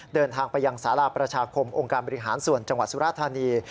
เดินทางไปยังสาราประชาคมองค์การบริหารส่วนจังหวัดสุราธานี